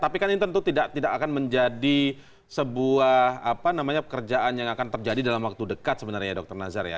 tapi kan ini tentu tidak akan menjadi sebuah pekerjaan yang akan terjadi dalam waktu dekat sebenarnya dr nazar ya